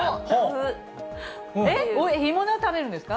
干物を食べるんですか？